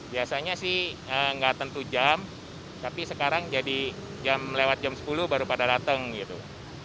biasanya sih nggak tentu jam tapi sekarang jadi jam lewat jam sepuluh baru pada datang gitu